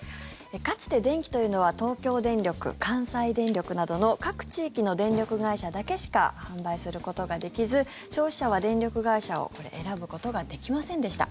かつて電気というのは東京電力、関西電力などの各地域の電力会社だけしか販売することができず消費者は電力会社を選ぶことができませんでした。